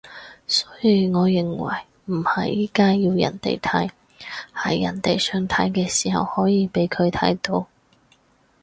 所以我認為唔係而家要人哋睇，係人哋想睇嘅時候可以畀佢睇到